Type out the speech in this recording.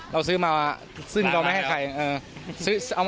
เราซื้อมาซึ่งเราไม่ให้ใครซื้อ